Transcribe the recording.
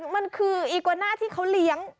มันคืออีกวาน่าที่เขาเลี้ยง